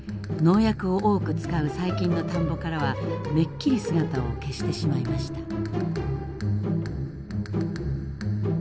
農薬を多く使う最近の田んぼからはめっきり姿を消してしまいました。